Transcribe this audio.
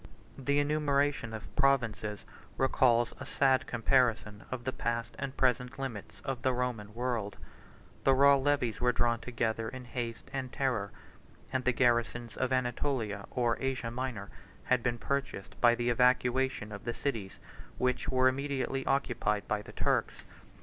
The enumeration of provinces recalls a sad comparison of the past and present limits of the Roman world: the raw levies were drawn together in haste and terror; and the garrisons of Anatolia, or Asia Minor, had been purchased by the evacuation of the cities which were immediately occupied by the Turks.